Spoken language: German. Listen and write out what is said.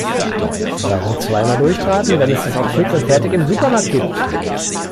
Warum zweimal durchbraten, wenn es das auch fix und fertig im Supermarkt gibt?